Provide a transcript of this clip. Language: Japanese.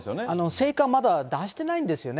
成果まだ出してないんですよね。